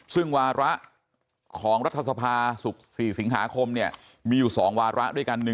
ซึ่งวาระของรัฐสภาศุกร์๔สิงหาคมเนี่ยมีอยู่๒วาระด้วยกัน